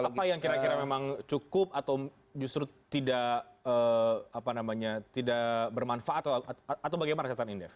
apa yang kira kira memang cukup atau justru tidak bermanfaat atau bagaimana catatan indef